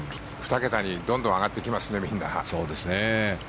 ２桁にどんどん上がってきますね